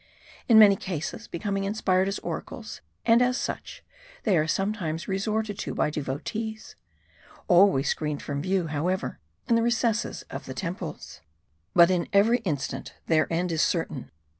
In many cases becoming inspired as oracles ; and as such, they are sometimes resorted to by devotees ; always screened from view, however, in the recesses of the temples. (But in every instance, their end is certain.